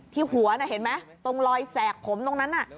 หัวน่ะเห็นไหมตรงรอยแสกผมตรงนั้นน่ะ